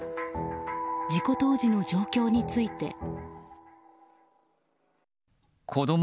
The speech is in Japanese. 事故当時の状況について。